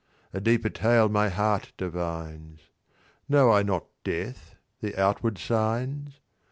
A deeper tale my heart divines. Know I not Death? the outward signs?